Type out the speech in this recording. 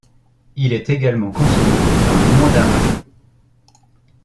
Il est également consommé dans le monde arabe.